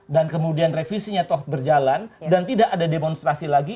dan kemudian revisinya toh berjalan dan tidak ada demonstrasi lagi